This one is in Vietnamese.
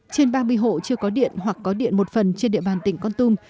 trên ba mươi hộ chưa có điện hoặc có điện một phần trên địa bàn tỉnh con tum